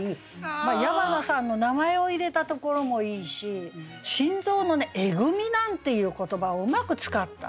矢花さんの名前を入れたところもいいし「心臓のえぐみ」なんていう言葉をうまく使った。